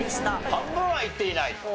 半分はいっていないと。